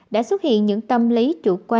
đã xuất hiện những tâm lý chủ quan